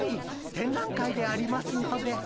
展覧会でありますので。